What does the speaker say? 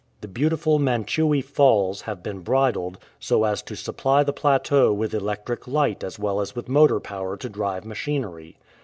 The beautiful Manchewe Falls have been bridled, so as to supply the plateau with electric light as well as with motor power to drive machinery.